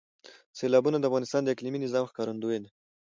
سیلابونه د افغانستان د اقلیمي نظام ښکارندوی ده.